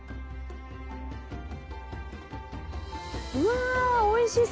うわおいしそう！